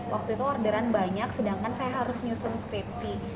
waktu itu orderan banyak sedangkan saya harus nyusun skripsi